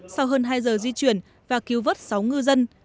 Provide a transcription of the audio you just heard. sau hơn hai giờ di chuyển và cứu vớt sáu ngư dân